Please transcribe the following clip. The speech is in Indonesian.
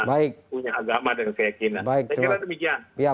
agama dengan keyakinan